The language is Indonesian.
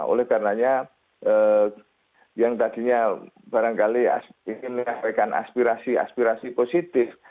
oleh karenanya yang tadinya barangkali ingin menyampaikan aspirasi aspirasi positif